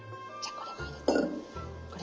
これも入れて。